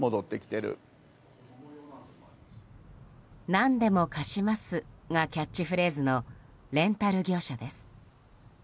「何んでも貸します」がキャッチフレーズのレンタル業者です。